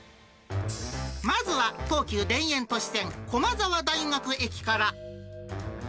まずは東急田園都市線、駒沢大学駅から。